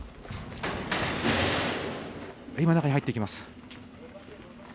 今、中に入っていきます。